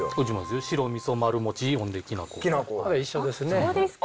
一緒ですね。